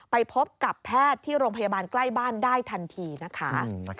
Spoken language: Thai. ไปพบกับแพทย์ที่โรงพยาบาลใกล้บ้านได้ทันทีนะคะ